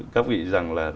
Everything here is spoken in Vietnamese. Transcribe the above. các vị rằng là